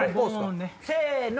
せの！